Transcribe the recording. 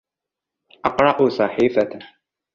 أقرا صحيفةً.